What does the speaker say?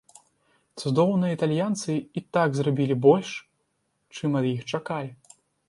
Цудоўныя італьянцы і так зрабілі больш, чым ад іх чакалі.